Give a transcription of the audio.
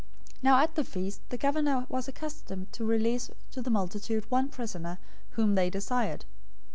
027:015 Now at the feast the governor was accustomed to release to the multitude one prisoner, whom they desired.